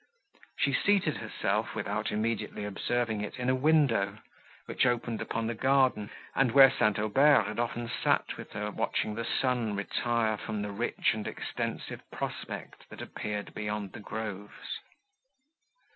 She seated herself, without immediately observing it, in a window, which opened upon the garden, and where St. Aubert had often sat with her, watching the sun retire from the rich and extensive prospect, that appeared beyond the groves.